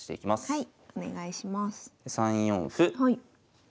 はい。